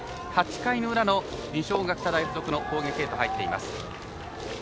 ８回の裏の二松学舎大付属の攻撃へと入っています。